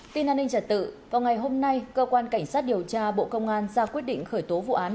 tin an ninh trật tự vào ngày hôm nay cơ quan cảnh sát điều tra bộ công an ra quyết định khởi tố vụ án